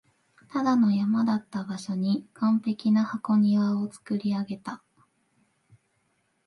ただの山だった場所に完璧な箱庭を造り上げた